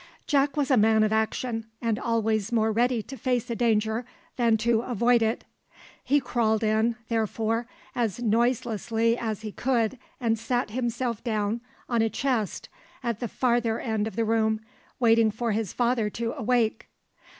Jack was a man of action, and always more ready to face a danger than to avoid it. He crawled in, therefore, as noiselessly as he could, and sat himself down on a chest at the farther end of the room, waiting for his father to awake.